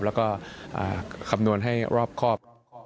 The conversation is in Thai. แล้วก็คำนวณให้รอบครอบ